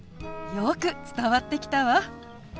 よく伝わってきたわ。